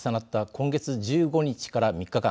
今月１５日から３日間